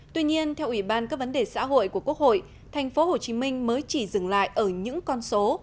tuy nhiên theo ủy ban các vấn đề xã hội của quốc hội tp hcm mới chỉ dừng lại ở những con số